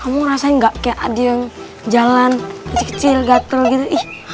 kamu ngerasain gak kayak adi yang jalan kecil kecil gatel gitu ih